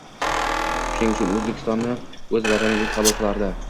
Shuning uchun O‘zbekistonni o‘z vatanidek qabul qilardi.